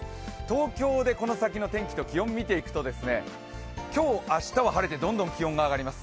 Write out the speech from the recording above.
東京でこの先の天気と気温を見ていくと今日、明日は晴れてどんどん気温が上がります。